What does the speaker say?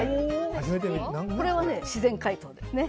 これは自然解凍ですね。